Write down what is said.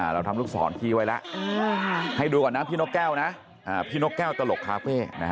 เราทำลูกศรที่ไว้แล้วให้ดูก่อนนะพี่นกแก้วนะพี่นกแก้วตลกคาเฟ่